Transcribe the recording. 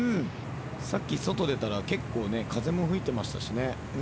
さっき外出たら結構風も吹いてましたしね。